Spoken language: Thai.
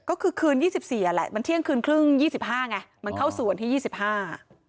ก็คือคืนยี่สิบสี่อ่ะแหละมันเที่ยงคืนครึ่งยี่สิบห้าไงมันเข้าสู่วันที่ยี่สิบห้า